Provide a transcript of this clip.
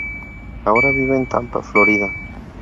Ahora vive en Tampa, Florida.